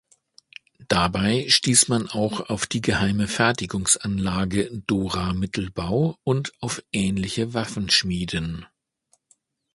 Dabei stieß man auch auf die geheime Fertigungsanlage Dora-Mittelbau und auf ähnliche Waffenschmieden.